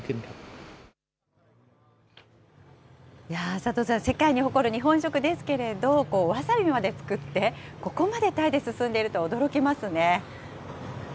佐藤さん、世界に誇る日本食ですけれど、わさびまで作って、ここまでタイで進んでいるとは驚きますね。